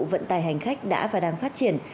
vận tài hành khách đã và đang phát triển